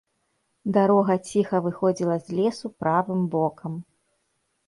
Дарога ціха выходзіла з лесу правым бокам.